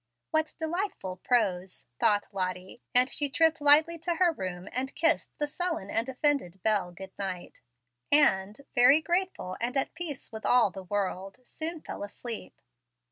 "What delightful prose!" thought Lottie, and she tripped lightly to her room and kissed the sullen and offended Bel good night; and, very grateful and at peace with all the world, soon fell asleep.